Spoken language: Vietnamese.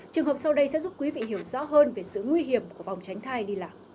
trường hợp sau đây sẽ giúp quý vị hiểu rõ hơn về sự nguy hiểm của vòng tránh thai đi lạc